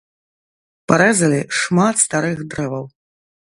Парэзалі шмат старых дрэваў.